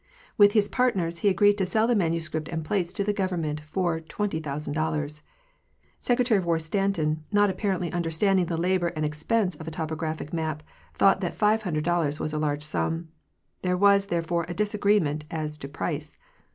With his partners, he agreed to sell the manuscript and plates to the Government for $20,000. Secretary of War Stanton, not apparently understand ing the labor and expense of a topographic map, thought that $500 was a large sum. There was, therefore, a disagreement as to price.